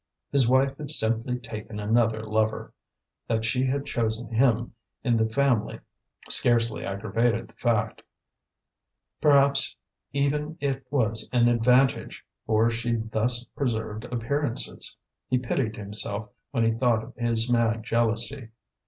His wife had simply taken another lover; that she had chosen him in the family scarcely aggravated the fact; perhaps even it was an advantage, for she thus preserved appearances. He pitied himself when he thought of his mad jealousy.